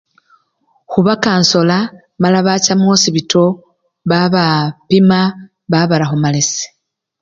huba kasola mala bacha muhospito babaapima babara humalesi